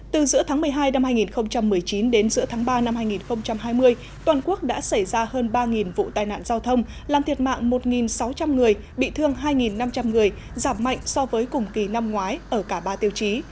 từ giữa tháng một mươi hai năm hai nghìn một mươi chín đến giữa tháng ba năm hai nghìn hai mươi toàn quốc đã xảy ra hơn ba vụ tai nạn giao thông làm thiệt mạng một sáu trăm linh người bị thương hai năm trăm linh người giảm mạnh so với cùng kỳ năm ngoái ở cả ba tiêu chí